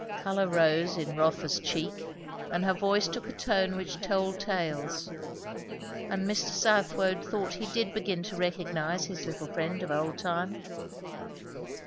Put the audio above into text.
Colour rose in Rotha's cheek, and her voice took a tone which told tales; and Mr. Southwode thought he did begin to recognize his little friend of old time.